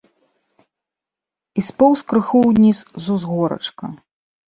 І споўз крыху ўніз з узгорачка.